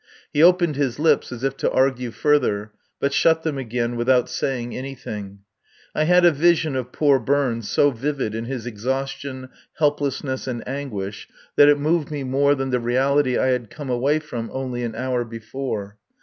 He opened his lips as if to argue further, but shut them again without saying anything. I had a vision so vivid of poor Burns in his exhaustion, helplessness, and anguish, that it moved me more than the reality I had come away from only an hour before.